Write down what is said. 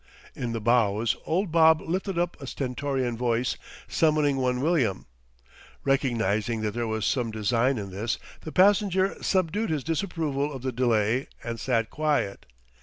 In the bows old Bob lifted up a stentorian voice, summoning one William. Recognizing that there was some design in this, the passenger subdued his disapproval of the delay, and sat quiet.